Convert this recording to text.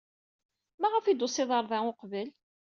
Maɣef ur d-tusid ɣer da uqbel?